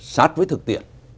sát với thực tiện